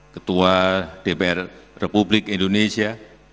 ketua dpr republik indonesia